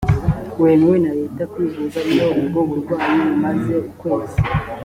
wemewe na leta kwivuza iyo ubwo burwayi bumaze ukwezi